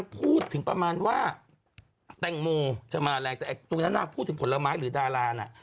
พูดถึงประมาณว่าแตงโมจะมาแรงแต่ตรงนั้นนางพูดถึงผลไม้หรือดาราน่ะ